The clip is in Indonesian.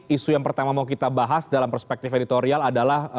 isu yang pertama mau kita bahas dalam perspektif editorial adalah